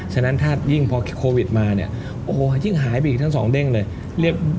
ฉะนั้นพอเกี่ยวกับโควิดนี่อย่างหายไปทั้งสองเด้งเลย